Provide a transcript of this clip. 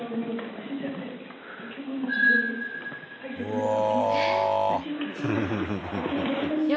うわ！